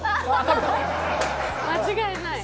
間違いない。